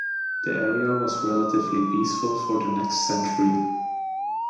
The area was relatively peaceful for the next century.